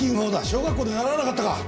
小学校で習わなかったか！